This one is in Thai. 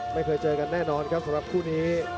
ไม่เคยเจอกันแน่นอนครับสำหรับคู่นี้